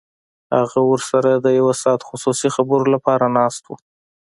هغه ورسره د یو ساعته خصوصي خبرو لپاره ناست و